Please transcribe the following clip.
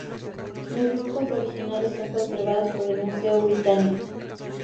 Los dibujos originales son conservados por el Museo Británico.